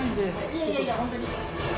いやいやいやほんとに。